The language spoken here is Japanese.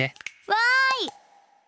わい！